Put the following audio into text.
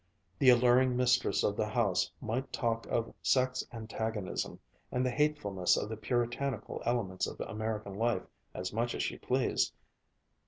The alluring mistress of the house might talk of sex antagonism and the hatefulness of the puritanical elements of American life as much as she pleased.